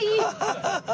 ハハハハ！